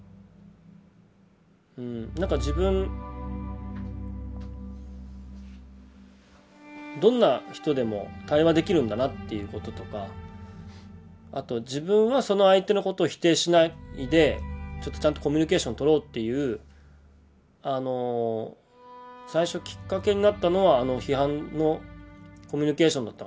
なんか自分どんな人でも対話できるんだなっていうこととかあと自分はその相手のことを否定しないでちゃんとコミュニケーションとろうっていう最初きっかけになったのはあの批判のコミュニケーションだったかなと思ってますね。